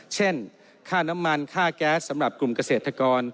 เช่นค่าน้ำมันค่าแก๊สสำหรับกลุ่มเกษตรกร